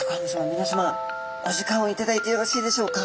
みなさまお時間を頂いてよろしいでしょうか？